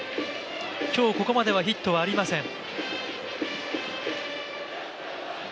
今日ここまではヒットはありません。